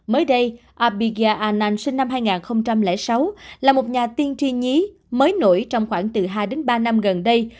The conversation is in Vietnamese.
mới đây abiga an sinh năm hai nghìn sáu là một nhà tiên tri nhí mới nổi trong khoảng từ hai đến ba năm gần đây